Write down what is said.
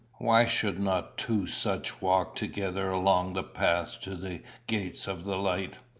Why should not two such walk together along the path to the gates of the light?